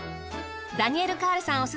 ダニエル・カールさん